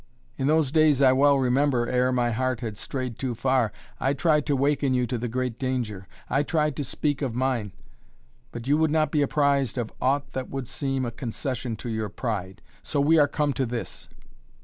In those days I well remember, ere my heart had strayed too far, I tried to waken you to the great danger. I tried to speak of mine. But you would not be apprised of aught that would seem a concession to your pride. So we are come to this!"